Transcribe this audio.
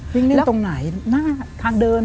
วิ่งเล่นตรงไหนหน้าทางเดิน